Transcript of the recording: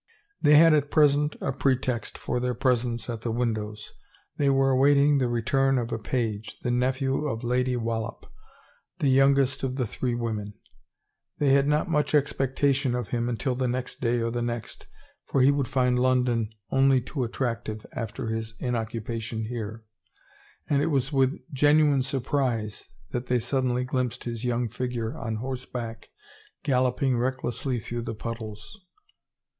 They had at present a pretext for their presence at the windows; they were awaiting the return of a page, the nephew of Lady Wallop, the youngest of the three women. They had not much expectation of him until the next day or the next, for he would find London only too attractive after his inoccupation here, and it was with genuine surprise that they suddenly glimpsed his young figure on horseback galloping recklessly through the puddles.